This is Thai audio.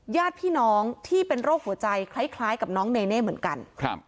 ญาติพี่น้องที่เป็นโรคหัวใจคล้ายกับน้องเนเน่เหมือนกันครับ